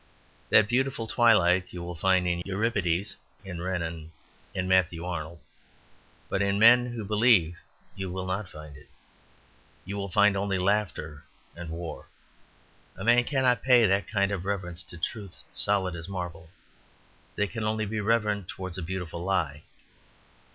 That beautiful twilight you will find in Euripides, in Renan, in Matthew Arnold; but in men who believe you will not find it you will find only laughter and war. A man cannot pay that kind of reverence to truth solid as marble; they can only be reverent towards a beautiful lie.